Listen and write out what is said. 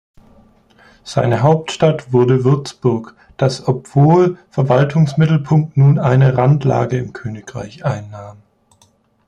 Seine Hauptstadt wurde Würzburg, das obwohl Verwaltungsmittelpunkt nun eine Randlage im Königreich einnahm.